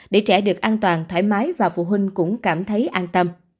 để trẻ được an toàn thoải mái và phụ huynh cũng cảm thấy an tâm